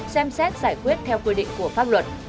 xem xét giải quyết theo quy định của pháp luật